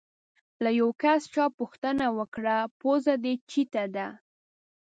له یو کس چا پوښتنه وکړه: پوزه دې چیتې ده؟